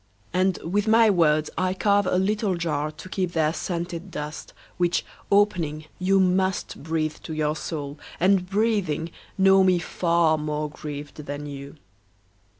And with my words I carve a little jar To keep their scented dust, Which, opening, you must Breathe to your soul, and, breathing, know me far More grieved than you.